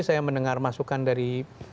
saya mendengar masukan dari